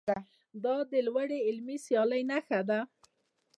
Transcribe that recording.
دا د لوړې علمي سیالۍ نښه ده.